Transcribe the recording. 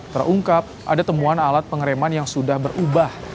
terungkap ada temuan alat pengereman yang sudah berubah